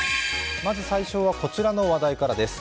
まず最初はこちら話題からです。